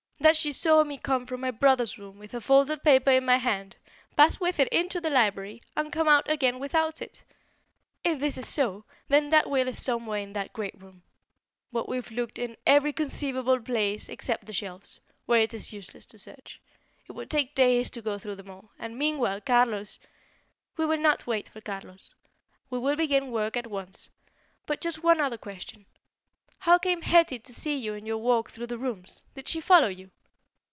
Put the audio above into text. That she saw me come from my brother's room with a folded paper in my hand, pass with it into the library, and come out again without it. If this is so, then that will is somewhere in that great room. But we've looked in every conceivable place except the shelves, where it is useless to search. It would take days to go through them all, and meanwhile Carlos " "We will not wait for Carlos. We will begin work at once. But just one other question. How came Hetty to see you in your walk through the rooms? Did she follow you?"